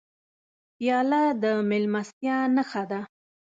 پیاله د میلمستیا نښه ده.